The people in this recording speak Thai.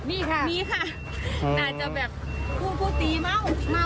พูดว่าคนอีกก็เห็นเม่าหรือเปล่า